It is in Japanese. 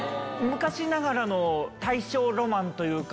昔ながらの大正ロマンというか。